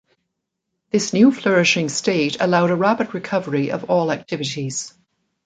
This new flourishing state allowed a rapid recovery of all activities.